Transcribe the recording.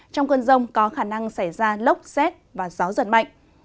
trong cơn rông có khả năng xảy ra lốc xét và gió giật mạnh